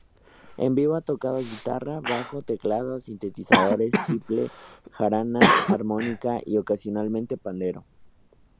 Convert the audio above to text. En vivo ha tocado guitarra, bajo, teclados, sintetizadores, tiple, jarana, armónica y, ocasionalmente, pandero.